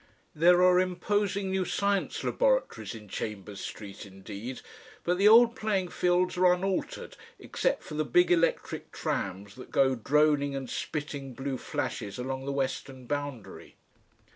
There are imposing new science laboratories in Chambers Street indeed, but the old playing fields are unaltered except for the big electric trams that go droning and spitting blue flashes along the western boundary.